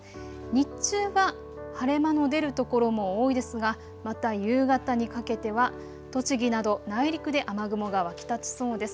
日中は晴れ間の出る所も多いですが、また夕方にかけては栃木など内陸で雨雲が湧き立ちそうです。